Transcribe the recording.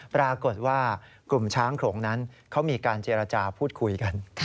ปรากฏว่ากลุ่มช้างโขลงนั้นเขามีการเจรจาพูดคุยกัน